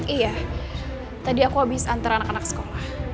iya tadi aku habis antara anak anak sekolah